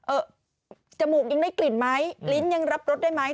เออจมูกยังได้กลิ่นไหมลิ้นยังรับรสได้ไหม